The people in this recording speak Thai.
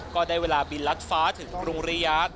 ก็ได้เวลาบินรัดฟ้าถึงกรุงริยาท